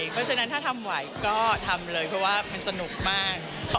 เพราะฉะนั้นถ้าทำไหวก็ทำเลยเพราะว่ามันสนุกมาก